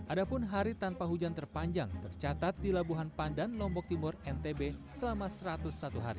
adapun hari tanpa hujan terpanjang tercatat di labuhan pandan lombok timur ntb selama satu ratus satu hari